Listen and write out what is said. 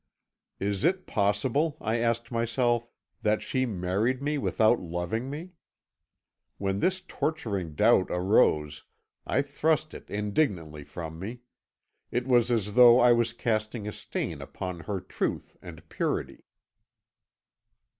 Is it possible, I asked myself, that she married me without loving me? When this torturing doubt arose I thrust it indignantly from me; it was as though I was casting a stain upon her truth and purity."